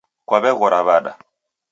Kwaw'eghora w'ada